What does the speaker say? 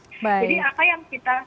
jadi apa yang kita